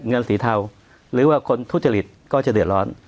เงินสีเทาหรือว่าคนทุจริตก็จะเดือดร้อน